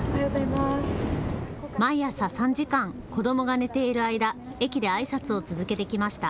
毎朝３時間、子どもが寝ている間、駅であいさつを続けてきました。